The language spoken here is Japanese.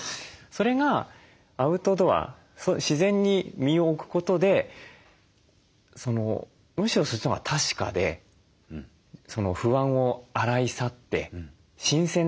それがアウトドア自然に身を置くことでむしろそっちのほうが確かでその不安を洗い去って新鮮な自分になるっていう。